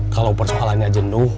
kalau persoalannya jenuh